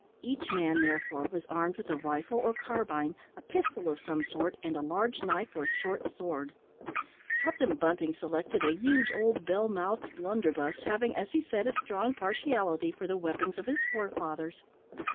Each man, therefore, was armed with a rifle or carbine, a pistol of some sort, and a large knife or short sword. Captain Bunting selected a huge old bell mouthed blunderbuss, having, as he said, a strong partiality for the weapons of his forefathers.